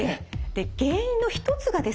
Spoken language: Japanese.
で原因の一つがですね